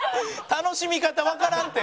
楽しみ方わからんて。